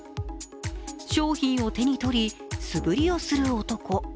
商品を手に取り、素振りをする男。